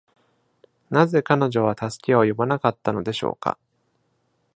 なぜ彼女は助けを呼ばなかったのでしょうか？